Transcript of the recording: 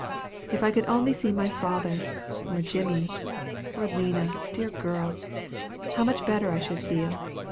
But if I could only see my father, or Jimmy, or Lina, dear girl! how much better I should feel!